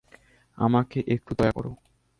আমাকে একটু দয়া কর।